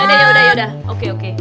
yaudah yaudah yaudah oke oke